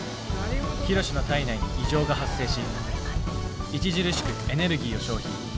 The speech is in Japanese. ヒロシの体内に以上が発生し著しくエネルギーを消費。